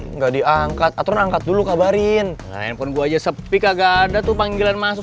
enggak diangkat aturan angkat dulu kabarin handphone gua aja sepi kagak ada tuh panggilan masuk